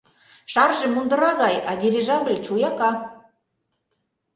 Шарже мундыра гай, а дирижабль чуяка.